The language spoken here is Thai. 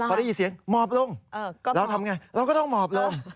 พอได้ยินเสียงหมอบลงเราทำไงเราก็ต้องหมอบลง